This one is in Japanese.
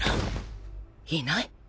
いない！